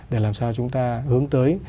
để làm sao chúng ta hướng tới